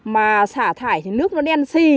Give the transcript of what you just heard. mà xả thải thì nước nó đen xì